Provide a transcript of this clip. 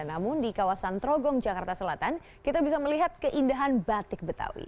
namun di kawasan trogong jakarta selatan kita bisa melihat keindahan batik betawi